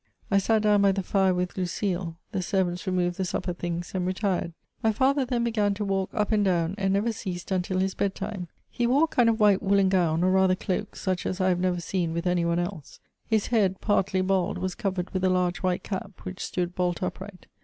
I sat down by the fire with Lucile ; the servants removed the supper things, and retired. My father then b^an to walk up and down, and never ceased until his bedtime. He wore a kind of white woollen gown, or rather cloak, such as I have never seen with any one else. His head, partly bald, was covered with a large white cap, which stood bolt upright.